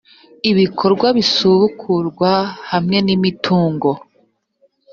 ibikorwa bisubukurwe hamwe n imitungo